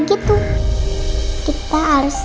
daher gue yang harap yesz